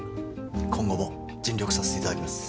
今後も尽力させていただきます